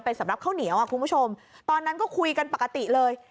สำหรับข้าวเหนียวอ่ะคุณผู้ชมตอนนั้นก็คุยกันปกติเลย